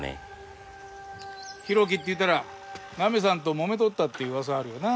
浩喜っていったらナミさんともめとったって噂あるよな。